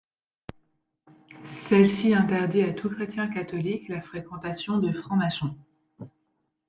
Celle-ci interdit à tout chrétien catholique la fréquentation des francs-maçons.